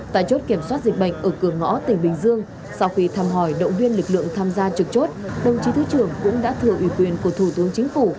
tại chốt kiểm soát dịch bệnh ở cửa ngõ tỉnh bình dương sau khi thăm hỏi động viên lực lượng tham gia trực chốt đồng chí thứ trưởng cũng đã thừa ủy quyền của thủ tướng chính phủ